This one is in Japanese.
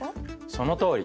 そのとおり。